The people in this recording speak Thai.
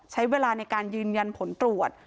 ใช้เวลาในการยืนยันผลตรวจ